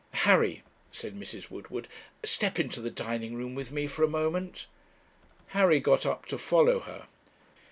'Harry,' said Mrs. Woodward, 'step into the dining room with me for a moment.' Harry got up to follow her.